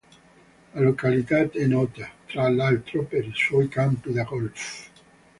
La località è nota, tra l'altro, per i suoi campi da golf.